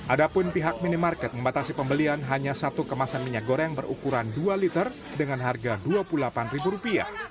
ada pun pihak minimarket membatasi pembelian hanya satu kemasan minyak goreng berukuran dua liter dengan harga rp dua puluh delapan